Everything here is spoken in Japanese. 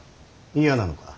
嫌なのか。